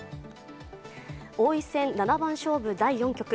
王位戦七番勝負第４局。